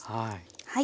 はい。